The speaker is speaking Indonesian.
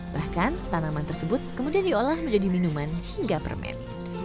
bahkan tanaman tersebut kemudian diolah menjadi minuman hingga permen